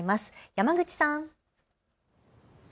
山口さん。